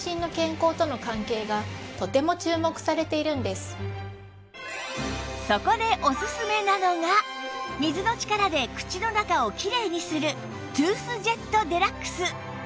しかもこれはそこでおすすめなのが水の力で口の中をきれいにするトゥースジェット ＤＸ